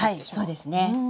はいそうですね。